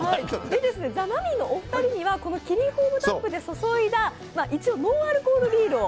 ザ・マミィのお二人にはこのキリンホームタップで注いだ一応ノンアルコールビールを。